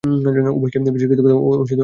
উভয়কেই বিশেষ কৃতজ্ঞতা ও ধন্যবাদ জানাইবে।